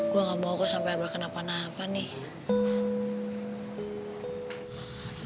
gue gak mau sampai abah kenapa napa nih